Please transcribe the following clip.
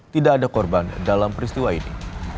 tidak ada korban dalam peristiwa ini